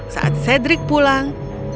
saat sedrik pulang